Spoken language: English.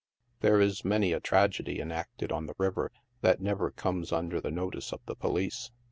There is many a tra gedy enacted on the river that never comes under the notice of the police.